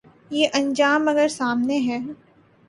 یہ انجام اگر سامنے ہے۔